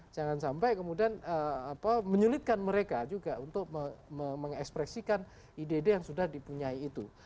jangan sampai kemudian menyulitkan mereka juga untuk mengekspresikan ide ide yang sudah dipunyai itu